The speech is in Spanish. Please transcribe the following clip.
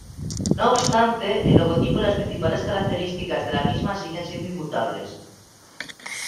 No obstante, el logotipo y las principales características de la misma siguen siendo inmutables.